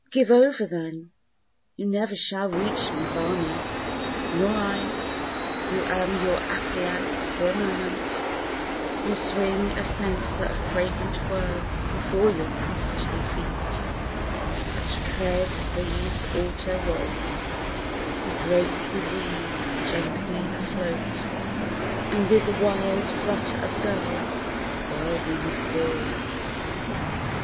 Give over then, you never shall reach Nirvana! Nor I, who am your acolyte for a moment; Who swing a censer of fragrant words before your priestly feet, That tread these altar rocks, bedraped with weeds gently afloat, And with the wild flutter of gulls wildly mysterious.